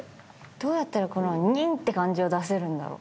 どうやったらこのニン！って感じを出せるんだろ？